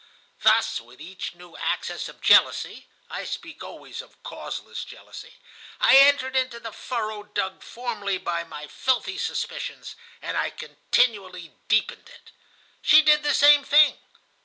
"Thus, with each new access of jealousy (I speak always of causeless jealousy), I entered into the furrow dug formerly by my filthy suspicions, and I continually deepened it. She did the same thing.